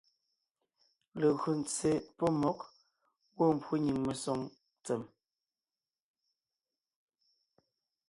Legÿo ntse pɔ́ mmɔ̌g gwɔ̂ mbwó nyìŋ mesoŋ ntsèm,